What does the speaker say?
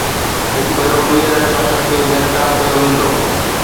هڪ ڀيرو ٻيهر سياست کي بي نقاب ڪيو ويندو؟